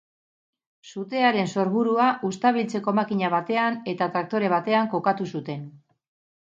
Sutearen sorburua uzta biltzeko makina batean eta traktore batean kokatu zuten.